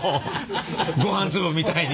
ごはん粒みたいに！